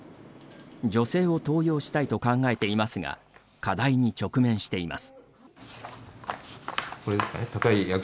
女性を登用したいと考えていますが課題に直面しています。